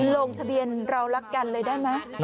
ลงทะเบียนเรารักกันเลยได้ไหม